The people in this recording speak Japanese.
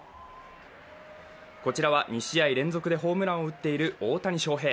こちらは２試合連続でホームランを打っている大谷翔平。